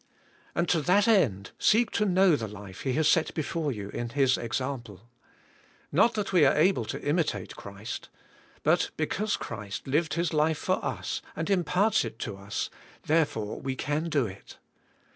And to that end, seek to know the life He has set before you in His example. Not that we are able to imitate Christ. But because Christ lived His life for us, and imparts it to us, therefore we can do it.